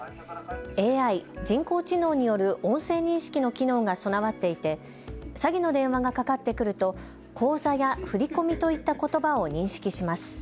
ＡＩ・人工知能による音声認識の機能が備わっていて詐欺の電話がかかってくると口座や振り込みといったことばを認識します。